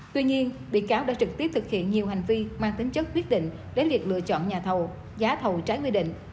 tuy nhiên bị cáo đã trực tiếp thực hiện nhiều hành vi mang tính chất quyết định đến việc lựa chọn nhà thầu giá thầu trái quy định